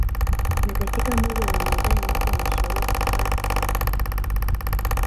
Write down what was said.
Na katika mwezi wa Ramadhani watu wanashauriwa kuvaa kistaarabu